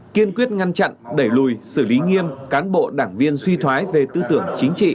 kiên quyết ngăn chặn đẩy lùi xử lý nghiêm cán bộ đảng viên suy thoái về tư tưởng chính trị